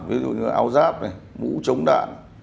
ví dụ như áo giáp mũ chống đạn